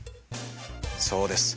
そうです。